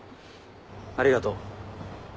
ありがとう。